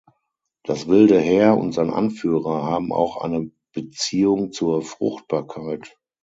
Das Wilde Heer und sein Anführer haben auch eine Beziehung zur Fruchtbarkeit.